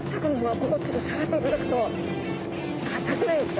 ここをちょっと触っていただくと硬くないですか？